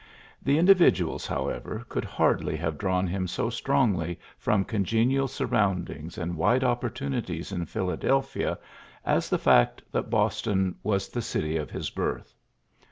The indi viduals, however, could hardly have drawn him so strongly from congenial surroundings and wide opportunities in Philadelphia as the fact that Boston was the city of his birth.